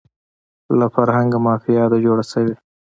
له فرهنګه مافیا ده جوړه شوې